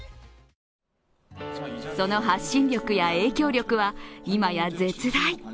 その発信力や影響力は今や絶大。